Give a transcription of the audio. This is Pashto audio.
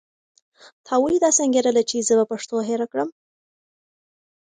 تا ولې داسې انګېرله چې زه به پښتو هېره کړم؟